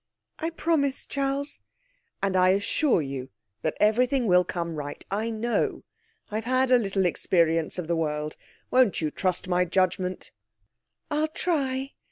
'I promise, Charles.' 'And I assure you that everything will come right. I know I've had a little experience of the world. Won't you trust my judgement?' 'I'll try.